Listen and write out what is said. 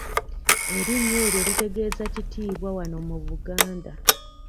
Erinnya eryo litegeeza kitiibwa wano mu Buganda.